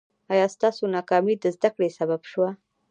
ایا ستاسو ناکامي د زده کړې سبب شوه؟